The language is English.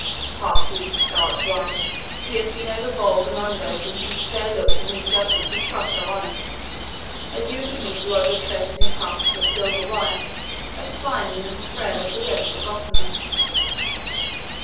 Hark thee thou art wise he hath been over bold among those in whose fair looks and weak judgments we trust our honour, as you of the East lodge your treasures in caskets of silver wire, as fine and as frail as the web of a gossamer."